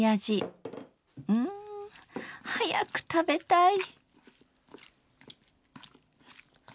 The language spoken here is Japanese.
うん早く食べたい。